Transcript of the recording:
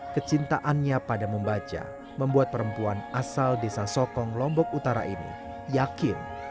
kecintaannya pada membaca membuat perempuan asal desa sokong lombok utara ini yakin